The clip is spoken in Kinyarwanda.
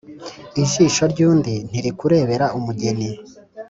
Ijisho ry’undi ntirikurebera umugeni.